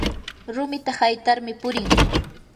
rumita haytarmi purin